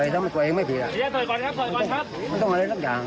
ช่างโบไทร